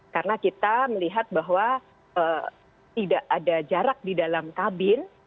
karena kita melihat bahwa tidak ada jarak di dalam kabin